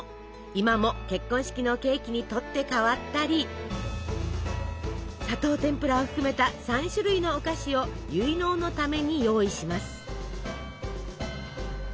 今も結婚式のケーキに取って代わったり砂糖てんぷらを含めた３種類のお菓子を結納のために用意します。